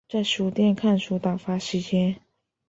在书店看书打发时间